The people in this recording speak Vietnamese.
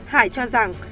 hải cho rằng